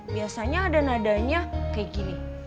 biasanya ada nadanya kayak gini